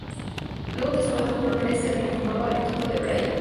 Luego de su baja con honores se reincorporó al equipo de Brady.